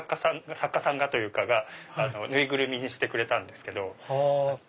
作家さんがというか縫いぐるみにしてくれたんです。